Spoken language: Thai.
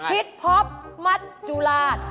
ฮิตพอปมัตต์จุราช